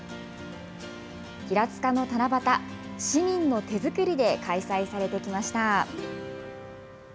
平塚の七夕、市民の手作りで開催されてきました。